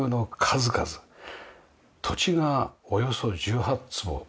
土地がおよそ１８坪です。